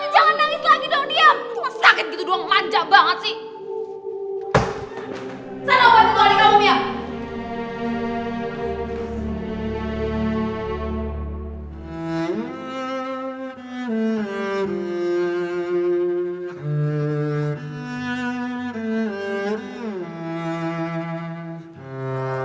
saya lupa berdua di kamunya